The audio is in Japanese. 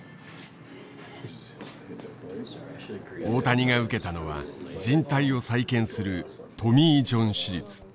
大谷が受けたのはじん帯を再建するトミー・ジョン手術。